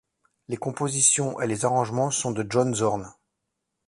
Les compositions et les arrangements sont de John Zorn.